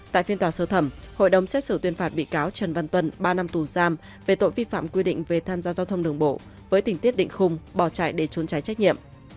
tại phiên tòa sơ thẩm hội đồng xét xử tuyên phạt bị cáo trần văn tuân ba năm tù giam về tội vi phạm quy định về tham gia giao thông đường bộ với tỉnh tiết định khung bỏ chạy để trốn tránh trách nhiệm